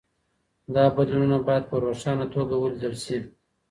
دا بدلونونه باید په روښانه توګه ولیدل سي.